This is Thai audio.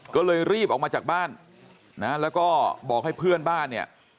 ก็เลยรีบออกมาจากบ้านนะแล้วก็บอกให้เพื่อนบ้านเนี่ย